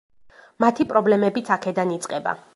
მათი პრობლემებიც აქედან იწყება.